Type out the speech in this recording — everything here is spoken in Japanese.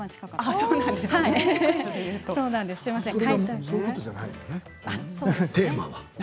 そういうことじゃないんだよね、テーマは。